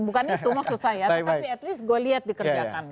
bukan itu maksud saya tetapi at least gue lihat dikerjakan